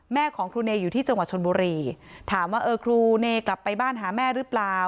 ของครูเนอยู่ที่จังหวัดชนบุรีถามว่าเออครูเนกลับไปบ้านหาแม่หรือเปล่า